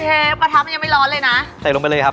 เฮ้ยกระทับมันยังไม่ร้อนเลยนะใส่ลงไปเลยครับ